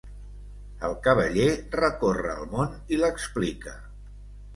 El cavaller recorre el món i l’explica.